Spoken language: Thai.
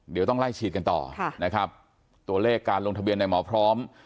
เดี๋ยวต้องไล่ฉีดกันต่อนะครับตัวเลขการลงทะเบียนในหมอพร้อม